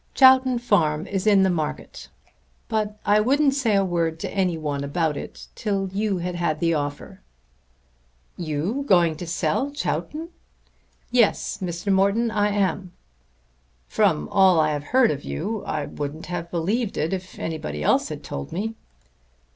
Chowton Farm is in the market! But I wouldn't say a word to any one about it till you had had the offer." "You going to sell Chowton!" "Yes, Mr. Morton, I am." "From all I have heard of you I wouldn't have believed it if anybody else had told me."